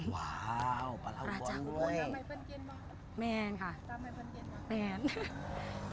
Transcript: ว้าวปล่าอุบลด้วย